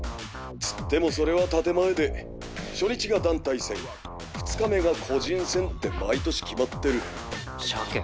つってもそれは建て前で初日が団体戦２日目が個人戦って毎年決まってるしゃけ